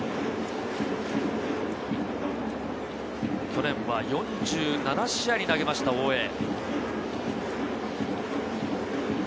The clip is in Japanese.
去年は４７試合に投げました、大江。